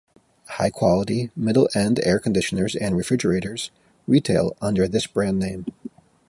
High quality, middle-end air conditioners and refrigerators retail under this brand name.